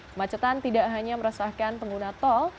kemacetan tidak hanya meresahkan pengguna tol